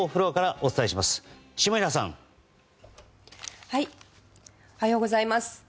おはようございます。